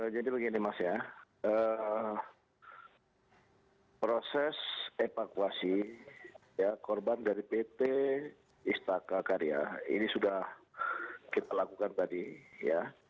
jadi begini mas ya proses evakuasi korban dari pt istaka karya ini sudah kita lakukan tadi ya